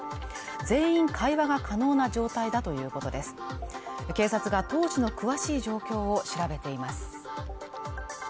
全員会話が可能な状態だということです警察が当時の詳しい状況を調べています